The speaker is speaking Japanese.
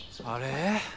あれ？